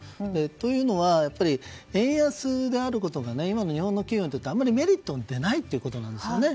というのは、円安であることが今の日本の企業にとってあまりメリットではないということですね。